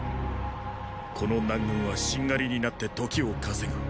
この南軍はしんがりになって刻をかせぐ。